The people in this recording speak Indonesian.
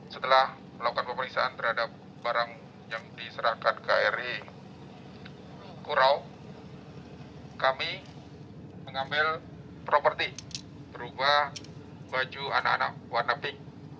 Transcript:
setelah melakukan pemeriksaan terhadap barang yang diserahkan ke ri kurao kami mengambil properti berubah baju anak anak warna pink